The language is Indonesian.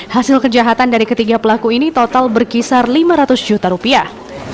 hasil kejahatan dari ketiga pelaku ini total berkisar lima ratus juta rupiah